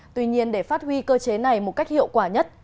tuy nhiên để phát huy cơ chế này một cách hiệu quả nhất